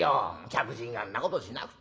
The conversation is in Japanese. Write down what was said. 客人がんなことしなく。